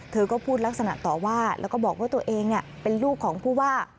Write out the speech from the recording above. เธอก็พูดลักษณะต่อว่าแล้วก็บอกว่าตัวเองเป็นลูกของผู้ว่า